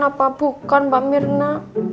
apa bukan mbak mirna